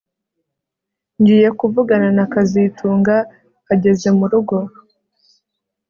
Ngiye kuvugana na kazitunga ageze murugo